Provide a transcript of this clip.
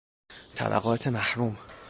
طبقات محروم